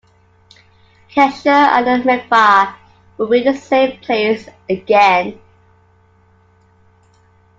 Kesher and the "mikvah" will be a safe place again.